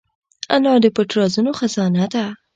انا د پټ رازونو خزانه ده